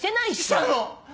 したの！